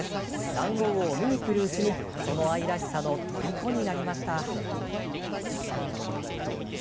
ダンゴウオを見に来るうちにその愛らしさのとりこになりました。